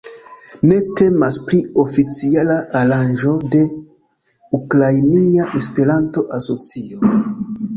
Ne temas pri oficiala aranĝo de Ukrainia Esperanto-Asocio.